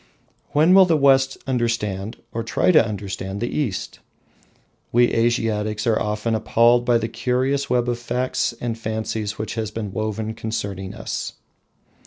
When will the West understand, or try to understand, the East? We Asiatics are often appalled by the curious web of facts and fancies which has been woven concerning us.